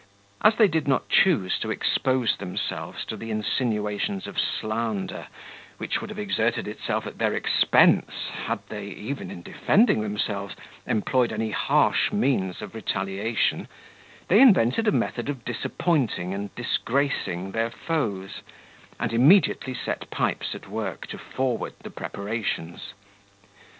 As they did not choose to expose themselves to the insinuations of slander, which would have exerted itself at their expense, had they, even in defending themselves, employed any harsh means of retaliation, they invented a method of disappointing and disgracing their foes, and immediately set Pipes at work to forward the preparations.